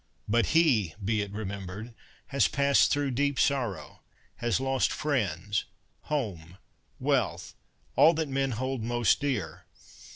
But he, be it remembered, has passed through deep sorrow, has lost friends, home, wealth — all that men hold most dear.